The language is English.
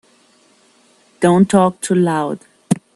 Don't talk too loud.